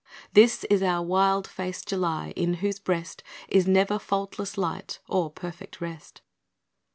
This is our wild faced July, in whose breast Is never faultless light or perfect rest.